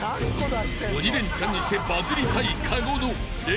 ［鬼レンチャンしてバズりたい］